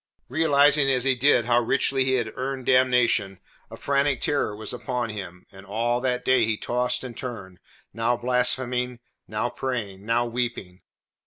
Realizing as he did how richly he had earned damnation, a frantic terror was upon him, and all that day he tossed and turned, now blaspheming, now praying, now weeping.